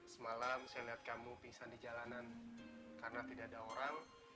sekarang kau berarti kota kandang kandang